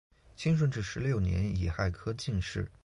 清顺治十六年己亥科进士。